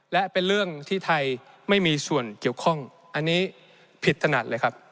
และเป็นเรื่องที่ไทยไม่มีส่วนเกี่ยวข้องอันนี้ผิดถนัดเลยครับ